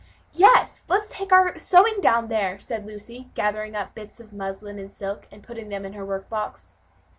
"Yes, let's take our sewing down there," said Lucy, gathering up the bits of muslin and silk, and putting them in her work box.